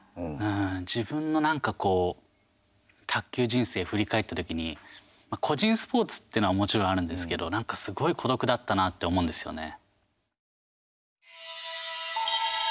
自分のなんかこう卓球人生振り返ったときに個人スポーツっていうのはもちろんあるんですけどなんかすごい孤独だったなって思うんですよね。